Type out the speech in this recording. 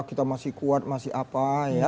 kita masih kuat masih apa ya